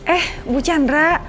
eh bu chandra